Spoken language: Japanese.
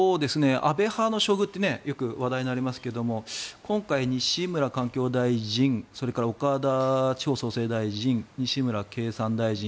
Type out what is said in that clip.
安倍派の処遇ってよく話題になりますが今回、西村環境大臣それから岡田地方創生大臣西村経産大臣